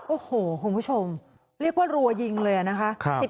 โอ้โหคุณผู้ชมเรียกว่ารัวยิงเลยนะคะ